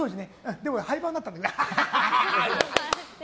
でも廃盤になったんだよね。